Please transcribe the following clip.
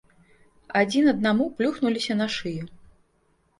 Адзін аднаму плюхнуліся на шыю.